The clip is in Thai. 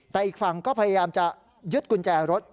แต่อีกฝั่งก็พยายามจะยึดกุญแจรถ